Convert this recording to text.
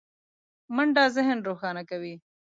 منډه ذهن روښانه کوي